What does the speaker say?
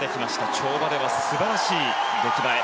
跳馬では素晴らしい出来栄え。